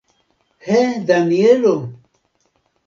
He, Danielo!